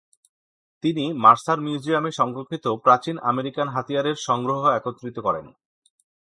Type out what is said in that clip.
তিনি মার্সার মিউজিয়ামে সংরক্ষিত প্রাচীন আমেরিকান হাতিয়ারের সংগ্রহ একত্রিত করেন।